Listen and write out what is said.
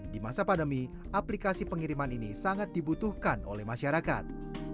di masa pandemi aplikasi pengiriman ini sangat dibutuhkan oleh masyarakat